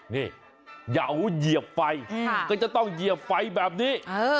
นี่เหยาวเหยียบไฟก็จะต้องเหยียบไฟแบบนี้